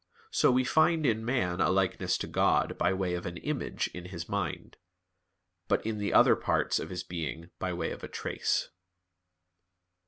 So we find in man a likeness to God by way of an "image" in his mind; but in the other parts of his being by way of a "trace."